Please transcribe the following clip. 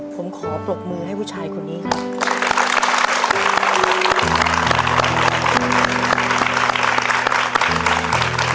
ผมขอปรบมือให้ผู้ชายคนนี้ครับ